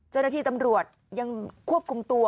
เจ้าหน้าที่ตำรวจยังควบคุมตัว